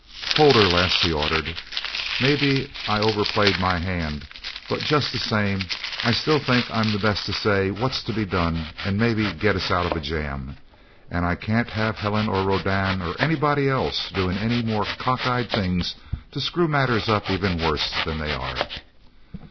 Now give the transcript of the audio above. "Hold her, Les," he ordered. "Maybe I overplayed my hand, but just the same, I still think I'm the best to say what's to be done and maybe get us out of a jam, and I can't have Helen or Rodan or anybody else doing any more cockeyed things to screw matters up even worse than they are."